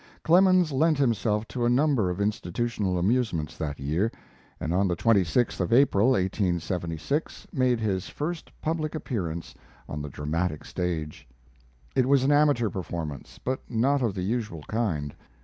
Clemens lent himself to a number of institutional amusements that year, and on the 26th of April, 1876, made his first public appearance on the dramatic stage. It was an amateur performance, but not of the usual kind.